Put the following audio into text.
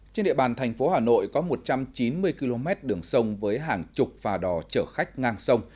trên địa bàn thành phố hà nội có một trăm chín mươi km đường sông với hàng chục phà đò chở khách ngang sông